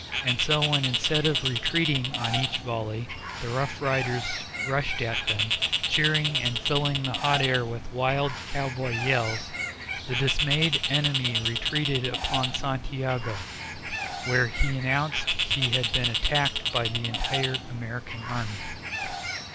And so, when instead of retreating on each volley, the Rough Riders rushed at them, cheering and filling the hot air with wild cowboy yells, the dismayed enemy retreated upon Santiago, where he announced he had been attacked by the entire American army.